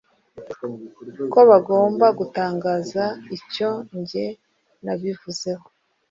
ko bagomba gutangaza icyo njye nabivuzeho